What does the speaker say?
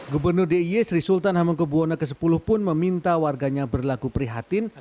gubernur d i e sri sultan hamengkubwono x pun meminta warganya berlaku prihatin